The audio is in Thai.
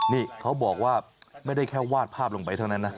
นี่เขาบอกว่าไม่ได้แค่วาดภาพลงไปเท่านั้นนะ